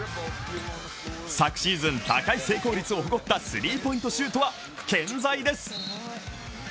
昨シーズン高い成功率を誇ったスリーポイントシュートは今シーズンも健在です。